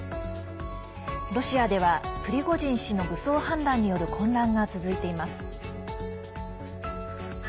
ロシアではプリゴジン氏の武装反乱による混乱が続いています。